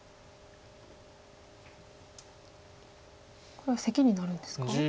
これはセキになるんですか？